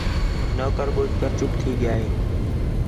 نوکر ٻُجھ کر چُپ تھی ڳِیا ہے